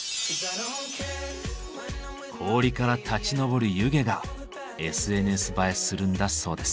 氷から立ち上る湯気がＳＮＳ映えするんだそうです。